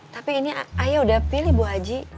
tapi ini ayo udah pilih bu haji